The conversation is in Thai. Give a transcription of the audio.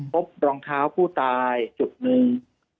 พบรองเท้าผู้ตายจุดหนึ่ง